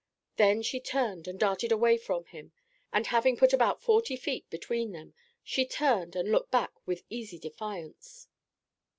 Then she turned and darted away from him, and having put about forty feet between them, she turned and looked back with easy defiance.